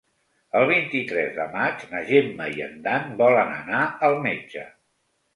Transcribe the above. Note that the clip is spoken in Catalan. El vint-i-tres de maig na Gemma i en Dan volen anar al metge.